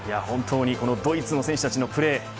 ドイツの選手たちのプレー